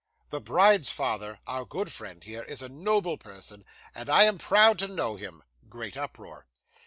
The bride's father, our good friend there, is a noble person, and I am proud to know him (great uproar).